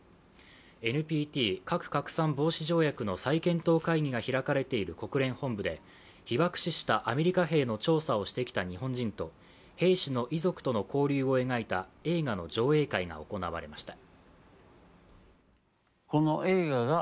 ＮＰＴ＝核拡散防止条約の再検討会議が開かれている国連本部で被爆死したアメリカ兵の調査をしてきた日本人と兵士の遺族との交流を描いた映画の上映会が行われました。